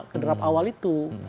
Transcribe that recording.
kederap awal itu